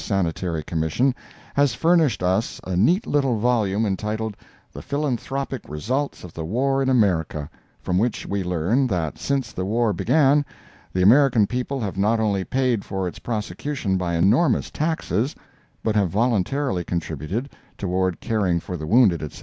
Sanitary Commission, has furnished us a neat little volume entitled "The Philanthropic Results of the War in America," from which we learn that since the war began, the American people have not only paid for its prosecution by enormous taxes, but have voluntarily contributed, toward caring for the wounded, etc.